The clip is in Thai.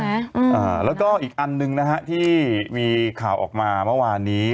อ่าแล้วก็อีกอันหนึ่งนะฮะที่มีข่าวออกมาเมื่อวานนี้